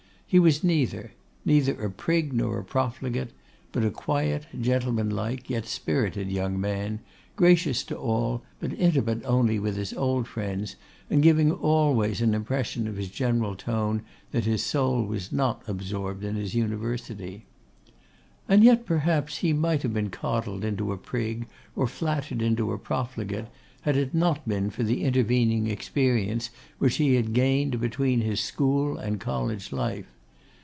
He was neither: neither a prig nor a profligate; but a quiet, gentlemanlike, yet spirited young man, gracious to all, but intimate only with his old friends, and giving always an impression in his general tone that his soul was not absorbed in his University. And yet, perhaps, he might have been coddled into a prig, or flattered into a profligate, had it not been for the intervening experience which he had gained between his school and college life.